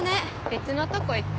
・別のとこ行く？